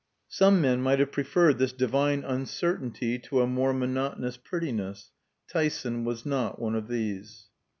Some men might have preferred this divine uncertainty to a more monotonous prettiness. Tyson was not one of these.